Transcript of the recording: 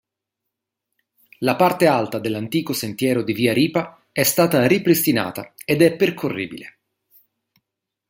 La parte alta dell'antico sentiero di Via Ripa è stata ripristinata ed è percorribile.